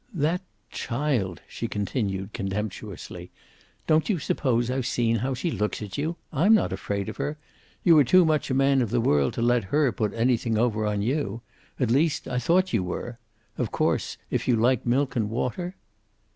"That child!" she continued contemptuously. "Don't you suppose I've seen how she looks at you? I'm not afraid of her. You are too much a man of the world to let her put anything over on you. At least, I thought you were. Of course, if you like milk and water?"